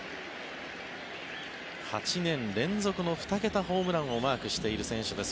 ８年連続の２桁ホームランをマークしている選手です